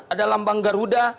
ada lambang garuda